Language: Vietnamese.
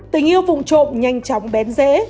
tình yêu vụn trộm nhanh chóng bén dễ